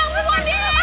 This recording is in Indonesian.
mereka juga membesar